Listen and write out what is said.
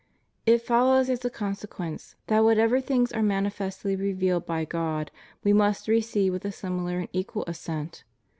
^ It follows as a conse quence, that whatever things are manifestly revealed by God we must receive with a similar and equal assent.